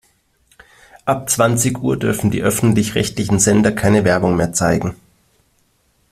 Ab zwanzig Uhr dürfen die öffentlich-rechtlichen Sender keine Werbung mehr zeigen.